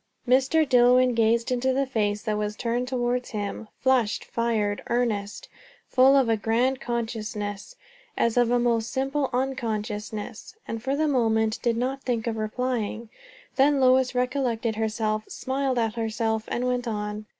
Mr. Dillwyn gazed into the face that was turned towards him, flushed, fired, earnest, full of a grand consciousness, as of a most simple unconsciousness, and for the moment did not think of replying. Then Lois recollected herself, smiled at herself, and went on.